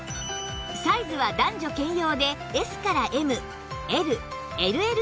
サイズは男女兼用で Ｓ から ＭＬＬＬ の３種類